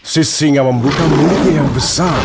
sisinga membuka mulutnya yang besar